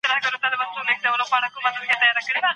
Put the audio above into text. په کورنۍ کې د کشرانو حق تر پښو لاندې کېږي.